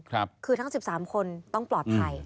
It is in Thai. คือทั้ง๑๓คนต้องปลอดภัย